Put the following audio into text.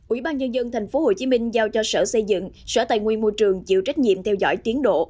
ủy ban nhân dân tp hcm giao cho sở xây dựng sở tài nguyên môi trường chịu trách nhiệm theo dõi tiến độ